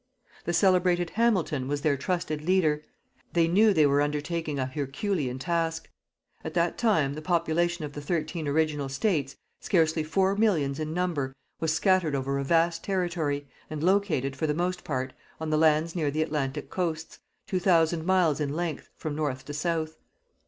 The celebrated Hamilton was their trusted leader. They knew they were undertaking an herculean task. At that time, the population of the thirteen original States, scarcely four millions in number, was scattered over a vast territory, and located, for the most part, on the lands near the Atlantic coasts, two thousand miles in length, from North to South.